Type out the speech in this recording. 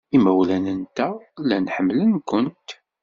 Imawlan-nteɣ llan ḥemmlen-kent.